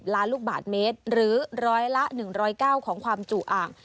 ล้านลูกบาทเมตรหรือร้อยละ๑๐๙ของความจุอ่าง